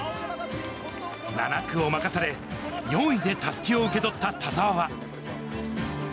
７区を任され、４位でたすきを受け取った田澤は。